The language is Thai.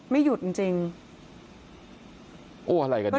ไม่หยุดจริงจริงโอ้อะไรกันเนี่ย